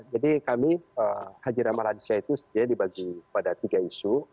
jadi kami haji ramah lansia itu dibagi pada tiga isu